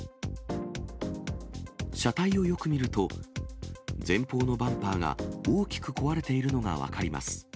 車体をよく見ると、前方のバンパーが大きく壊れているのが分かります。